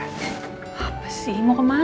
apa sih mau kemana